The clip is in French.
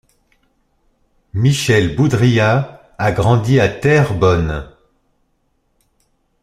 Michel Boudrias a grandi à Terrebonne.